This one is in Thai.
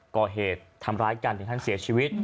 ก่อเหตุทำร้ายกันถึงขั้นเสียชีวิต